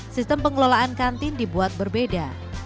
sistem pengelolaan kantin dibuat berbeda